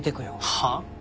はあ？